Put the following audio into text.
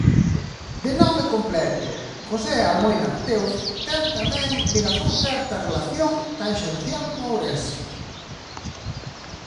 De nome completo, José Almoina Mateos, ten tamén ligazón certa relación tanxencial con Ourense: